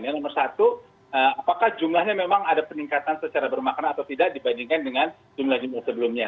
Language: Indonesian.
yang nomor satu apakah jumlahnya memang ada peningkatan secara bermakna atau tidak dibandingkan dengan jumlah jumlah sebelumnya